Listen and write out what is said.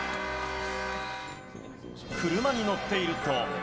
車に乗っていると。